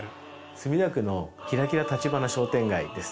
墨田区のキラキラ橘商店街です。